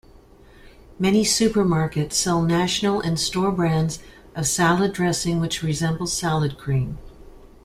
Many supermarkets sell national and store brands of salad dressing which resemble salad cream.